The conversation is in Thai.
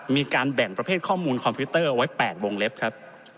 มีการแบ่งประเภทข้อมูลคอมพิวเตอร์ไว้๘วงเล็บครับ